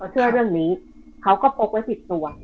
เชื่อเรื่องนี้เค้าก็โปรกไว้สิบตัว